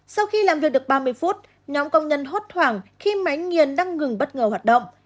sau khi làm việc được ba mươi phút nhóm công nhân hốt hoảng khi máy nghiền đang ngừng bất ngờ hoạt động